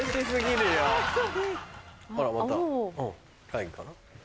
あらまた会議かな。